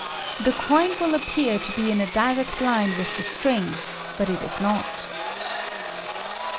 The coin will appear to be in a direct line with the string, but it is not.